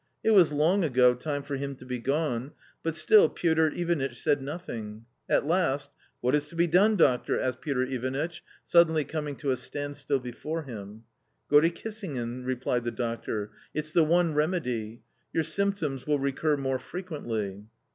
It was long ago time for him to be gone, but still Piotr Ivanitch said nothing. At last : "What is to be done, doctor?" asked Piotr Ivanitch, suddenly coming to a standstill before him. "Go to Kissingen," replied the doctor: "it's the one remedy. Your symptoms will recur more frequently."